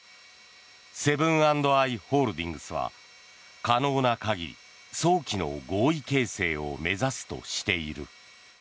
セブン＆アイ・ホールディングスは可能な限り早期の合意形成を目指すとしている。